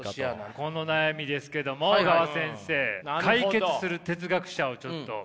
この悩みですけども小川先生解決する哲学者をちょっと。